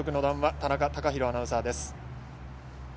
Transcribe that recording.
田中崇裕アナウンサーです。